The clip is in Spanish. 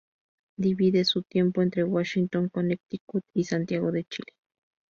Divide su tiempo entre Washington, Connecticut, y Santiago de Chile.